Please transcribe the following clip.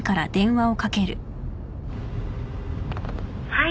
はい。